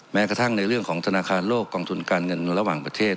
แม้กระทั่งในเรื่องของธนาคารโลกกองทุนการเงินระหว่างประเทศ